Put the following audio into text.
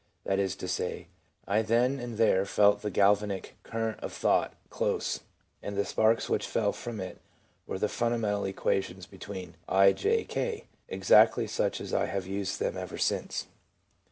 That is to say, I then and there felt the galvanic current of thought close ; and the sparks which fell from it were the fundamental equations between i 9 j\ k — exactly such as I have used them ever since.